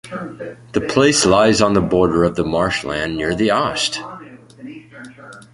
The place lies on the border of the marshland near the Oste.